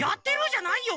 じゃないよ